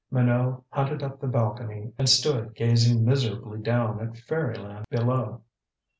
Minot hunted up the balcony and stood gazing miserably down at fairy land below.